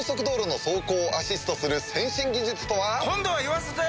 今度は言わせて！